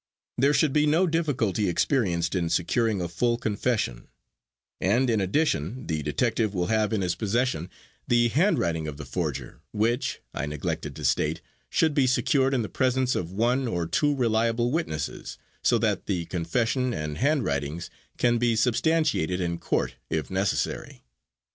There should be no difficulty experienced in securing a full confession, and in addition the detective will have in his possession the handwriting of the forger, which, I neglected to state, should be secured in the presence of one or two reliable witnesses, so that the confession and handwritings can be substantiated in court if necessary.